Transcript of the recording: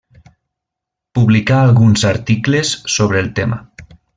Publicà alguns articles sobre el tema.